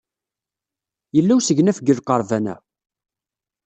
Yella usegnaf deg lqerban-a?